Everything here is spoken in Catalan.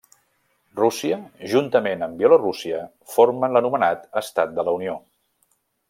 Rússia, juntament amb Bielorússia, formen l'anomenat estat de la Unió.